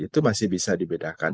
itu masih bisa dibedakan